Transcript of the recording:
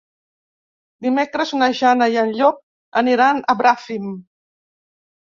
Dimecres na Jana i en Llop aniran a Bràfim.